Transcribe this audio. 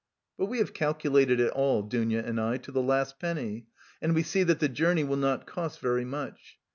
But we have calculated it all, Dounia and I, to the last penny, and we see that the journey will not cost very much.